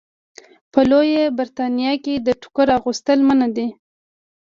په لویه برېتانیا کې د ټوکر اغوستل منع دي.